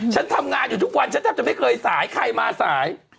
ฉันทำงานอยู่ทุกวันฉันแทบจะไม่เคยสายใครมาสาย